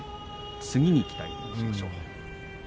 次に期待しましょう。